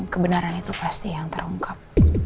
kebenaran itu pasti yang terungkap